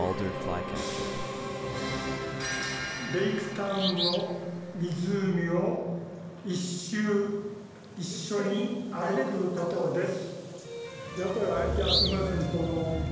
レイクタウンの湖を１周一緒に歩くことです。